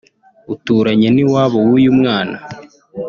uturanye n’iwabo w’uyu mwana